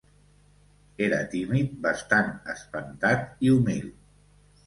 Era tímid, bastant espantat i humil.